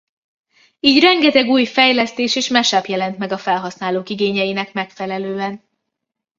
Így rengeteg új fejlesztés és mash-up jelent meg a felhasználók igényeinek megfelelően.